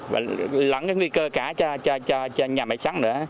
và lẫn cái nguy cơ cả cho nhà máy sắn nữa